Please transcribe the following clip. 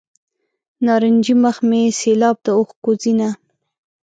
نارنجي مخ مې سیلاب د اوښکو ځینه.